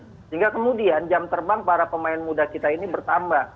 sehingga kemudian jam terbang para pemain muda kita ini bertambah